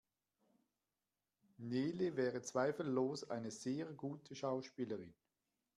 Nele wäre zweifellos eine sehr gute Schauspielerin.